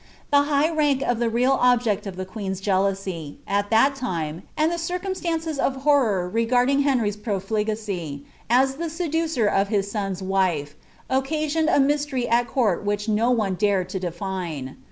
The bigti nnk of tbe real object of the queen's jealousy, al llial time, anil the circumBlances of horror regarding Henry's profligacy, as tlie bbJok* of his son's wife, occasioned a mystery at court which no one ibmd ti define.